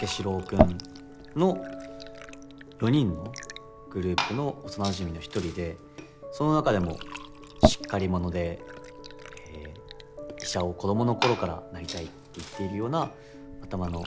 君の４人のグループの幼なじみの１人でその中でもしっかり者で医者を子供のころからなりたいって言っているような頭のよい子ですね。